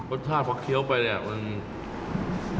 รสชาติพอเคี้ยวไปเนี่ยมัน